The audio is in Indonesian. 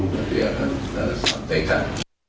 nanti akan kita sampaikan